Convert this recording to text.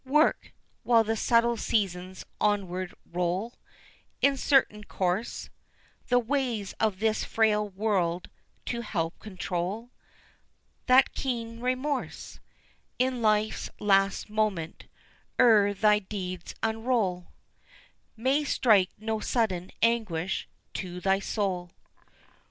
Work! while the subtle seasons onward roll In certain course, The ways of this frail world to help control; That keen remorse In life's last moment 'ere thy deeds unroll May strike no sudden anguish to thy soul.